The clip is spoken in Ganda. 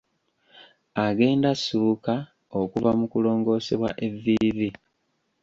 Agenda assuuka okuva mu kulongoosebwa evviivi.